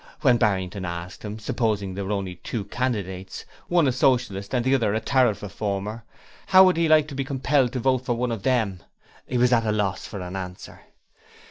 When Barrington asked him supposing there were only two candidates, one a Socialist and the other a Tariff Reformer how would he like to be compelled to vote for one of them, he was at a loss for an answer.